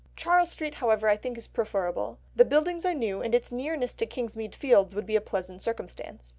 Charles Street, however, I think is preferable. The buildings are new, and its nearness to Kingsmead Fields would be a pleasant circumstance.